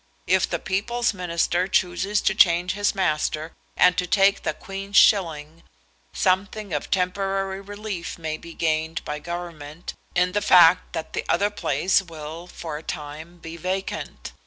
If the people's minister chooses to change his master, and to take the Queen's shilling, something of temporary relief may be gained by government in the fact that the other place will for a time be vacant.